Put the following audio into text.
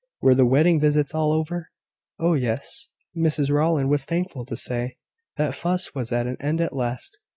Were the wedding visits all over? Oh, yes, Mrs Rowland was thankful to say; that fuss was at an end at last.